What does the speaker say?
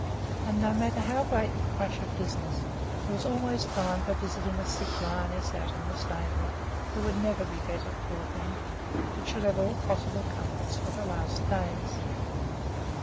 And no matter how great the crush of business, there was always time for visiting a sick lioness out in the stable, who would never be better, poor thing, but should have all possible comforts for her last days.